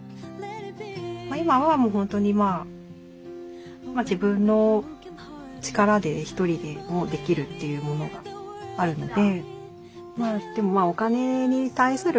今はもう本当にまあ自分の力で１人でもできるというものがあるので。